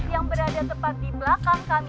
yang berada tepat di belakang kami